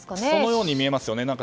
そのように見えますよね。